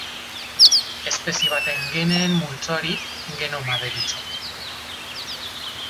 Espezie baten geneen multzoari genoma deritzo.